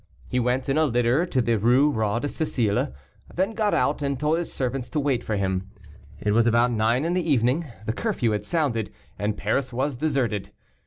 He went in a litter to the Rue Roi de Sicile, then got out, and told his servants to wait for him. It was about nine in the evening, the curfew had sounded, and Paris was deserted.